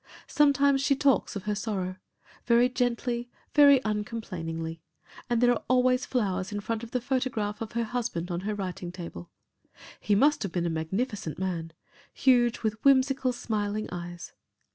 Sometimes she talks of her sorrow very gently, very uncomplainingly, and there are always flowers in front of the photograph of her husband on her writing table. He must have been a magnificent man huge, with whimsical smiling eyes.